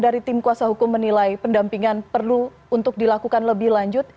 dari tim kuasa hukum menilai pendampingan perlu untuk dilakukan lebih lanjut